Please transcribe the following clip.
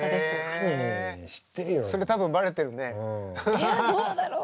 いやどうだろう